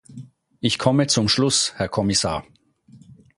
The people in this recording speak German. Ich komme zum Schluss, Herr Kommissar.